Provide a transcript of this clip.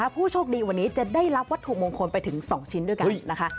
ผู้โชคดีวันนี้จะได้รับวัตถุมงคลไปถึง๒ชิ้นด้วยกันนะคะ